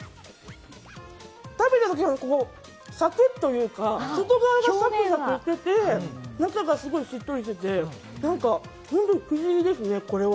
食べた時はサクッというか外側がサクサクしてて中がすごいしっとりしていて本当に不思議ですね、これは。